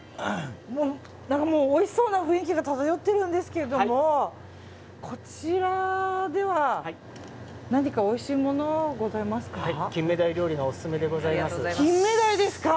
もう、おいしそうな雰囲気が漂ってるんですけどもこちらでは何かおいしいものございますか？